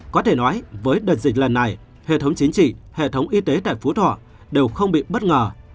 có thể nói với đợt dịch lần này hệ thống chính trị hệ thống y tế tại phú thọ đều không bị bất ngờ